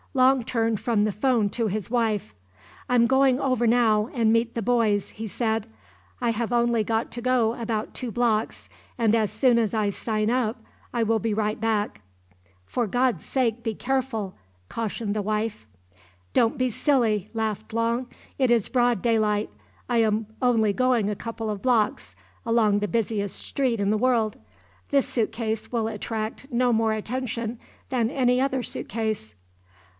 Long turned from the phone to his wife. "I am going over now, and meet the boys," he said. "I have only got to go about two blocks and as soon as I sign up I will be right back." "For God's sake be careful," cautioned the wife. "Don't be silly," laughed Long. "It is broad daylight. I am only going a couple of blocks along the busiest street in the world. This suitcase will attract no more attention than any other suitcase."